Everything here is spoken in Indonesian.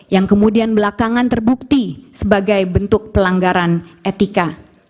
yang kemudian belakangan terbukti sebagai bentuk pelanggaran etika